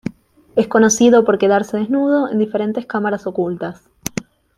Es conocido por quedarse desnudo en diferentes cámaras ocultas.